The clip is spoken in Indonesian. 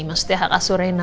maksudnya haka surena